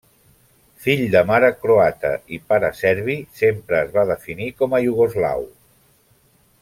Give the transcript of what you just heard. Fill de mare croata i pare serbi, sempre es va definir com a iugoslau.